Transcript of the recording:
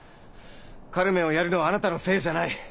『カルメン』をやるのはあなたのせいじゃない。